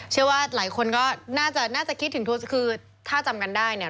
เชื่อว่าหลายคนก็น่าจะคิดถึงทูสคือถ้าจำกันได้เนี่ย